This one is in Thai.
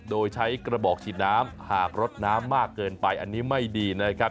โดยใช้กระบอกฉีดน้ำหากรดน้ำมากเกินไปอันนี้ไม่ดีนะครับ